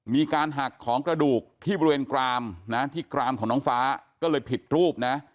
มีการหักของกระดูกที่บริเวณกรามนะที่กรามของน้องฟ้าก็เลยผิดรูปนะ